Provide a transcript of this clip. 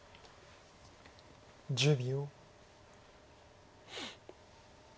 １０秒。